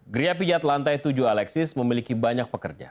geria pijat lantai tujuh alexis memiliki banyak pekerja